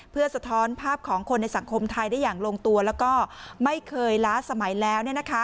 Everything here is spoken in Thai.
เพื่อสะท้อนภาพของคนในสังคมไทยได้อย่างลงตัวแล้วก็ไม่เคยล้าสมัยแล้ว